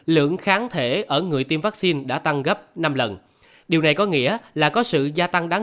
lượng kháng thể ở người tiêm vaccine đã tăng gấp năm lần điều này có nghĩa là có sự gia tăng đáng